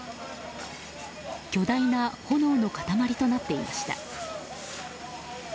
巨大な炎の塊となっていました。